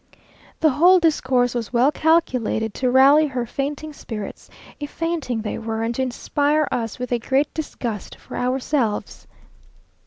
The whole discourse was well calculated to rally her fainting spirits, if fainting they were, and to inspire us with a great disgust for ourselves.